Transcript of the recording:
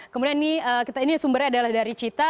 kemudian ini sumbernya adalah dari cita